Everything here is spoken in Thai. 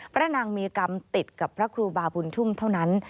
พระนางมีกรรมติดกับพระครูบาบุญชุ่มเท่านั้น